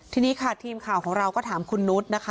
ทีนี้ค่ะทีมข่าวของเราก็ถามคุณนุษย์นะคะ